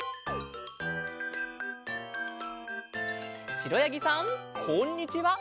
しろやぎさんこんにちは。